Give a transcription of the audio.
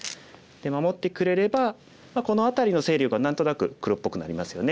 守ってくれればこの辺りの勢力は何となく黒っぽくなりますよね。